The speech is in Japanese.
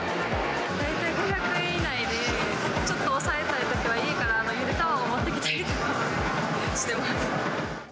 大体５００円以内で、ちょっと抑えたいときは家からゆで卵持ってきたりしてます。